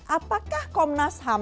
apakah komnas ham